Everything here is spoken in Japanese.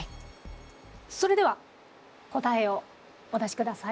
それでは答えをお出しください。